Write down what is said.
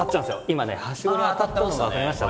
今ねはしごに当たったのが分かりました？